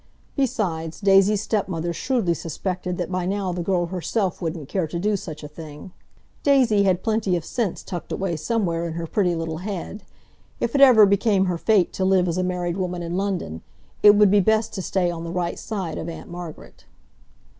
Besides, Daisy's stepmother shrewdly suspected that by now the girl herself wouldn't care to do such a thing. Daisy had plenty of sense tucked away somewhere in her pretty little head. If it ever became her fate to live as a married woman in London, it would be best to stay on the right side of Aunt Margaret.